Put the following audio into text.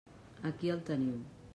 Aquí el teniu.